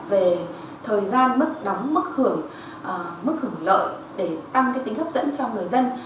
về thời gian mức đóng mức hưởng mức hưởng lợi để tăng tính hấp dẫn cho người dân